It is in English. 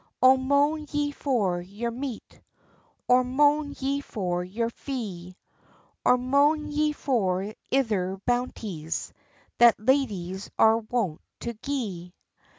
O moan ye for your meat, Or moan ye for your fee, Or moan ye for the ither bounties That ladies are wont to gie?